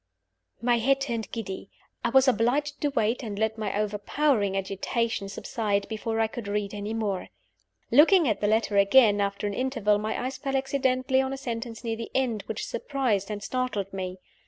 My head turned giddy. I was obliged to wait and let my overpowering agitation subside, before I could read any more. Looking at the letter again, after an interval, my eyes fell accidentally on a sentence near the end, which surprised and startled me.